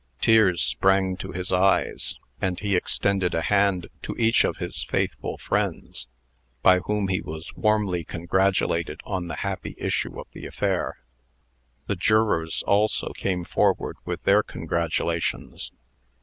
Tears sprang to his eyes, and he extended a hand to each of his faithful friends, by whom he was warmly congratulated on the happy issue of the affair. The jurors also came forward with their congratulations.